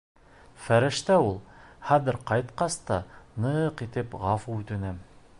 Фәрештә ул, хәҙер ҡайтҡас та ны-ыҡ итеп ғәфү үтенәм.